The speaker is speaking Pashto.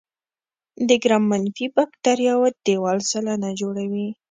د ګرام منفي باکتریاوو دیوال سلنه جوړوي.